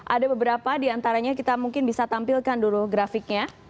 ada beberapa diantaranya kita mungkin bisa tampilkan dulu grafiknya